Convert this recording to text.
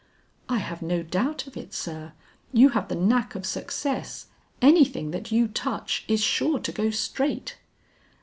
"I have no doubt of it, sir; you have the knack of success, any thing that you touch is sure to go straight."